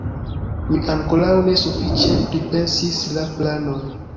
Mi ankoraŭ ne sufiĉe pripensis la planon.